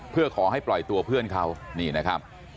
เพื่อขอให้ปล่อยตัวเพื่อนเขานี่นะครับ